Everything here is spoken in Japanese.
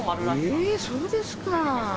えー、そうですか。